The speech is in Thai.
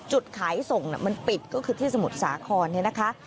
จุดขายส่งมันปิดก็คือที่สมุทรสาครเนี่ยนะคะ